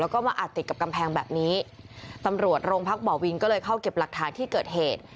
แล้วก็มาอาจติดกับกำแพงแบบนี้ตำรวจโรงพักบ่อวิงก็เลยเข้าเก็บหลักฐานที่เกิดเหตุ